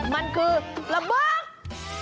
มันคือปลาบึก